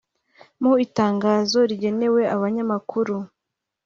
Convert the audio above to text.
Mu itangazo rigenewe abanyamakuru